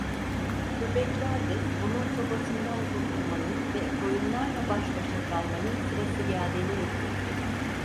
Köpekler de onun sopasından kurtulmanın ve koyunlarla baş başa kalmanın sırası geldiğine hükmettiler.